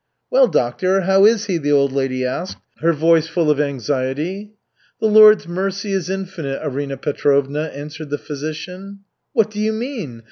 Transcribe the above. "Well, doctor, how is he?" the old lady asked, her voice full of anxiety. "The Lord's mercy is infinite, Arina Petrovna," answered the physician. "What do you mean?